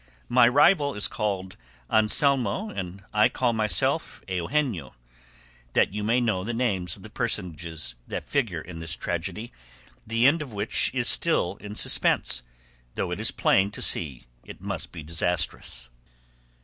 My rival is called Anselmo and I myself Eugenio that you may know the names of the personages that figure in this tragedy, the end of which is still in suspense, though it is plain to see it must be disastrous.